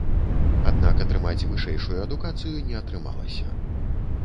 Аднак атрымаць вышэйшую адукацыю не атрымалася.